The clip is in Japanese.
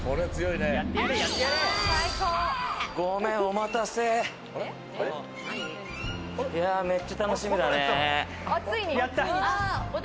いや、めっちゃ楽しみだね。